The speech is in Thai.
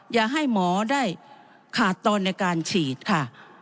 อย่าให้หมอได้ขาดตอนในการฉีดค่ะ